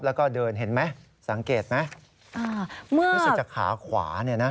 แล้วก็เดินเห็นไหมสังเกตไหมรู้สึกจะขาขวาเนี่ยนะ